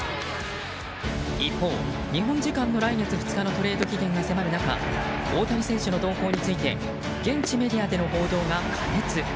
一方、日本時間の来月２日のトレード期限が迫る中大谷選手の動向について現地メディアでの報道が過熱。